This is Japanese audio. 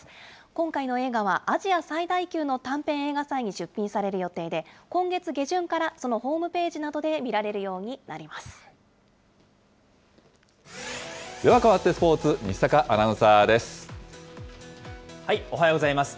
今回の映画は、アジア最大級の短編映画祭に出品される予定で、今月下旬から、そのホームページなではかわってスポーツ、西阪おはようございます。